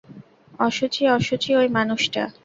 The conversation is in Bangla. অশুচি, অশুচি ওই মানুষটা।